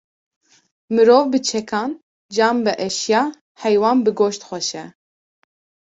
Mirov bi çekan, can bi eşya, heywan bi goşt xweş e